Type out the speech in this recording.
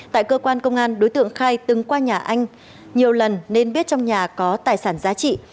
tại cơ quan công an đối tượng khai từng qua nhà anh nhiều lần nên biết trong nhà có tài sản giá trị